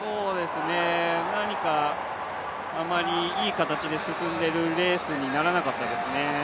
何かあまりいい形で進んでいるレースにならなかったですね。